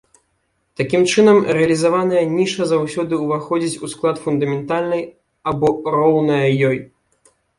Такім чынам, рэалізаваная ніша заўсёды ўваходзіць у склад фундаментальнай або роўная ёй.